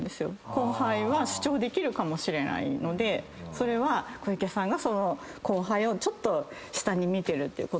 後輩は主張できるかもしれないのでそれは小池さんがその後輩をちょっと下に見てるってことにもなりませんか？